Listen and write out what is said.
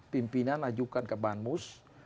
pimpinan ajukan ke banmus